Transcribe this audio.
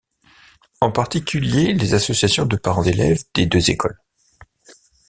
En particulier les associations de parents d'élèves des deux écoles.